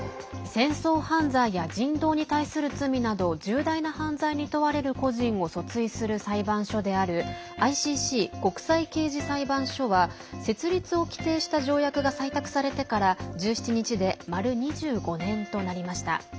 戦争犯罪や人道に対する罪など重大な犯罪に問われる個人を訴追する裁判所であるＩＣＣ＝国際刑事裁判所は設立を規定した条約が採択されてから１７日で丸２５年となりました。